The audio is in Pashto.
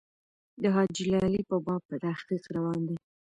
د حاجي لالي په باب تحقیق روان دی.